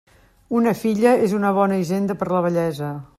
Una filla és una bona hisenda per la vellesa.